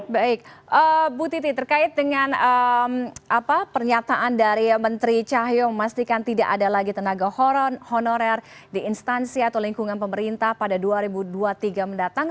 baik bu titi terkait dengan pernyataan dari menteri cahyo memastikan tidak ada lagi tenaga honorer di instansi atau lingkungan pemerintah pada dua ribu dua puluh tiga mendatang